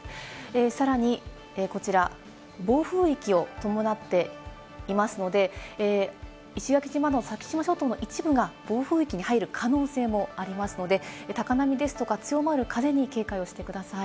さらにこちら、暴風域を伴っていますので石垣島の先島諸島の一部が暴風域に入る可能性もありますので、高波ですとか強まる風に警戒をしてください。